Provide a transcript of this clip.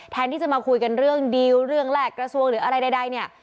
แทนที่จะมาคุยกันเรื่องดีลเรื่องแรกกระทรวงหรืออะไรใดเนี่ย